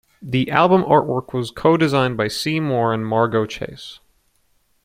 The album artwork was co-designed by Seymour and Margo Chase.